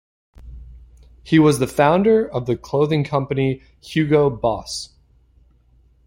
He was the founder of the clothing company Hugo Boss.